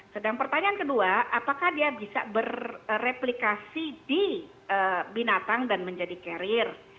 sedang pertanyaan kedua apakah dia bisa berreplikasi di binatang dan menjadi carrier